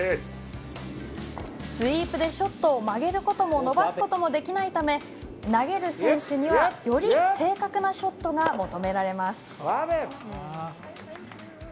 スイープでショットを曲げることも伸ばすこともできないため投げる選手にはより正確なショットが求められます。